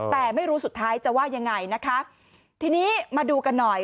แต่ไม่รู้สุดท้ายจะว่ายังไงนะคะทีนี้มาดูกันหน่อย